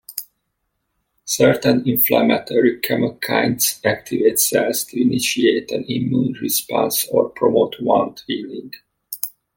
Certain inflammatory chemokines activate cells to initiate an immune response or promote wound healing.